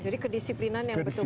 jadi kedisiplinan yang betul betul